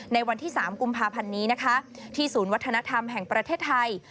ในวันที่๓กุมภาพันธ์นี้นะคะที่ศูนย์วัฒนธรรมแห่งประเทศไทย